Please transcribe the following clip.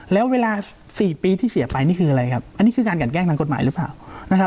แล้วเวลา๔ปีที่เสียไปนี่คืออะไรครับอันนี้คือการกันแกล้งทางกฎหมายหรือเปล่านะครับ